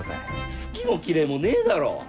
好きも嫌いもねえだろう。